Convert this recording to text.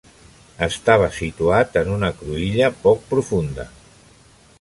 Estava situat en una cruïlla poc profunda.